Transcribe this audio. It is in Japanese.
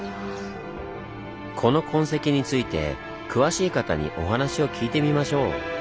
この痕跡について詳しい方にお話を聞いてみましょう。